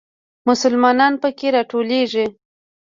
مسلمانان په کې راټولېږي.